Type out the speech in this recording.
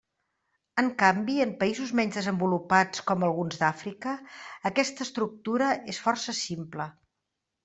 En canvi, en països menys desenvolupats com alguns d'Àfrica aquesta estructura és força simple.